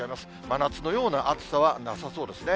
真夏のような暑さはなさそうですね。